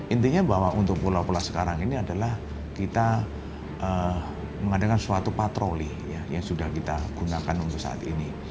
intinya bahwa untuk pulau pulau sekarang ini adalah kita mengadakan suatu patroli yang sudah kita gunakan untuk saat ini